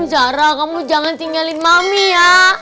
jarang kamu jangan tinggalin mami ya